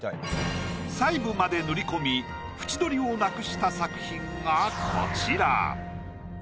細部まで塗り込み縁取りをなくした作品がこちら。